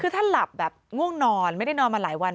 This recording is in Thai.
คือถ้าหลับแบบง่วงนอนไม่ได้นอนมาหลายวัน